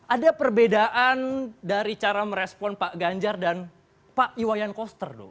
ada perbedaan dari cara merespon pak ganjar dan pak iwayan koster